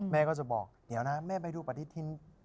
แม่ก็จะบอกเดี๋ยวนะแม่ไปดูปฏิทิน